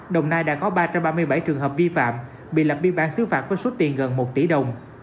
đồng nai đã có ba trăm ba mươi bảy trường hợp vi phạm bị lập biên bản xứ phạt với số tiền gần một tỷ đồng